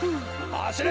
はしれ！